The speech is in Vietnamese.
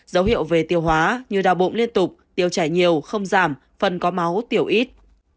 dấu hiệu về tiêu hóa như đau bụng liên tục tiêu chảy nhiều không giảm phần có máu tiểu ít